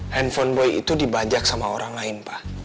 handphone boy itu dibajak sama orang lain pak